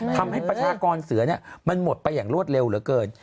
ประชากรเสือมันหมดไปอย่างรวดเร็วเหลือเกิน